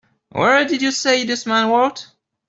Where did you say this man worked?